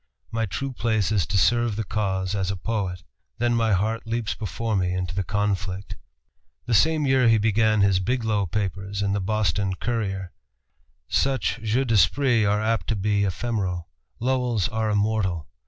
My true place is to serve the cause as a poet. Then my heart leaps before me into the conflict." The same year he began his "Biglow Papers" in the Boston Courier. Such jeux d'esprit are apt to be ephemeral. Lowell's are immortal.